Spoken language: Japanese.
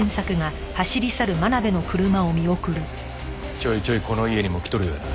ちょいちょいこの家にも来とるようやな。